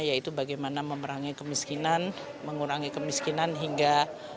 yaitu bagaimana memerangi kemiskinan mengurangi kemiskinan hingga